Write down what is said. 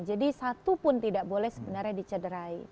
jadi satu pun tidak boleh sebenarnya dicederai